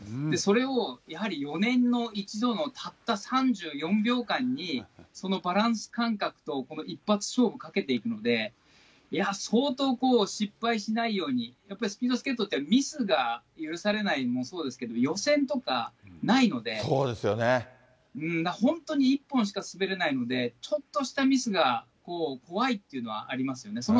それをやはり、４年に１度のたった３４秒間に、そのバランス感覚と、この一発勝負かけていくので、相当、失敗しないように、やっぱりスピードスケートってミスが許されないのもそうですけど、予選とかないので、本当に１本しか滑れないので、ちょっとしたミスが怖いっていうのはありますよね。